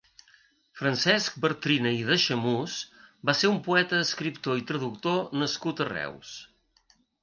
Francesc Bartrina i d'Aixemús va ser un poeta, escriptor i traductor nascut a Reus.